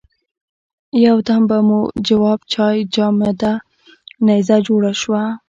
یو دم به مو جواب چای جامده نيزه جوړه شوه.